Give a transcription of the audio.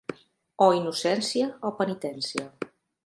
O innocència o penitència.